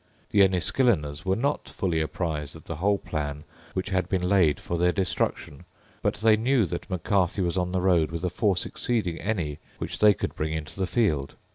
The Enniskilleners were not fully apprised of the whole plan which had been laid for their destruction; but they knew that Macarthy was on the road with a force exceeding any which they could bring into the field.